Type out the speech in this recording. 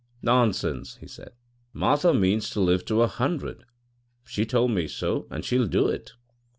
"Nonsense," he said; "Martha means to live to a hundred. She told me so, and she'll do it."